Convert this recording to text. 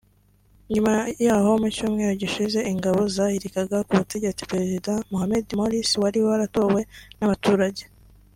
nyuma y’aho mu cyumweru gishize ingabo zahirikaga ku butegetsi Perezida Mohammed Morsi wari waratowe n’abaturage